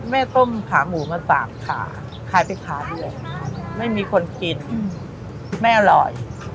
แม่ต้มขาหมูมา๓ข่าขายไปค้าด้วยไม่มีคนกินแม่อร่อย